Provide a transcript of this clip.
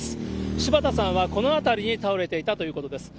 柴田さんはこの辺りに倒れていたということです。